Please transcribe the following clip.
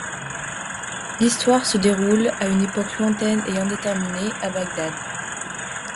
L'histoire se déroule à une époque lointaine et indéterminée, à Bagdad.